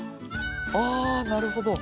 あなるほど。